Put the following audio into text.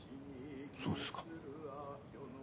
そうですか。